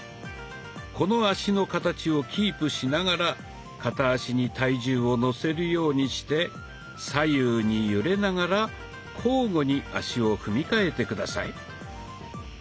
この足の形をキープしながら片足に体重をのせるようにして左右に揺れながら交互に足を踏みかえて下さい。